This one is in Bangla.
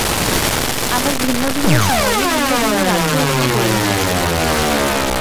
আবার ভিন্ন ভিন্ন সময়ে ভিন্ন ভিন্ন রাজ্য এখানে গড়ে উঠেছিল।